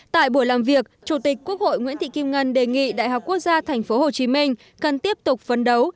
tại buổi làm việc chủ tịch quốc hội nguyễn thị kim ngân đề nghị đại học quốc gia tp hcm cần tiếp tục phấn đấu